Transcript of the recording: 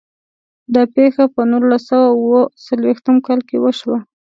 دا پیښه په نولس سوه او اووه څلوېښتم کال کې وشوه.